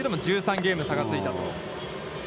ゲーム差がついたと。